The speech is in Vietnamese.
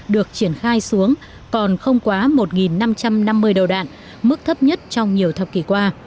được triển khai xuống còn không quá một năm trăm năm mươi đầu đạn mức thấp nhất trong nhiều thập kỷ qua